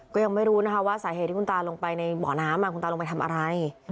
ก็ยังไม่รู้นะคะว่าสาเหตุที่คุณตาลงไปในบ่อน้ำคุณตาลงไปทำอะไร